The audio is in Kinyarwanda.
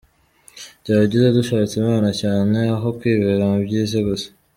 Byaba byiza dushatse imana cyane, aho kwibera mu byisi gusa.